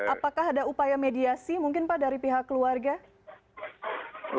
apakah ada upaya mediasi mungkin pak dari pihak keluarga